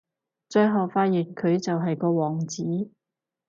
最後發現佢就係個王子